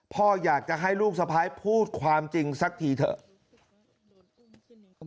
พ่ออยากจะให้ลูกสะพ้ายพูดความจริงสักทีเถอะ